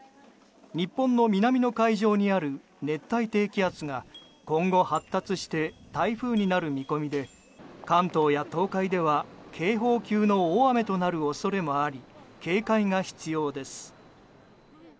日本の南の海上にある熱帯低気圧が今後、発達して台風になる見込みで関東や東海では警報級の大雨となる恐れもあり警戒が必要です。